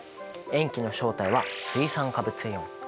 塩基の正体は水酸化物イオン。